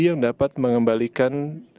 yang dapat mengembalikan